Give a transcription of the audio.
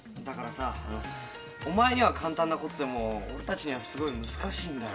お前には簡単なことでも俺たちにはすごい難しいんだよ。